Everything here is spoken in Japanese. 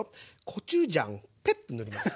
コチュジャンペッ！って塗ります。